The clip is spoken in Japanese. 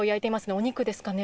お肉ですかね。